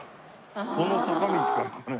この坂道からだね。